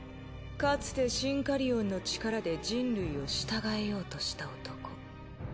かつてシンカリオンの力で人類を従えようとした男。